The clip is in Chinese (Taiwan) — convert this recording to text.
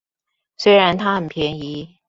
雖然他很便宜